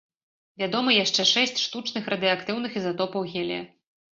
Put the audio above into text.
Вядомы яшчэ шэсць штучных радыеактыўных ізатопаў гелія.